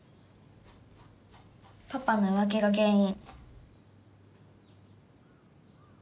パパの浮気が原因。